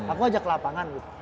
aku aja ke lapangan gitu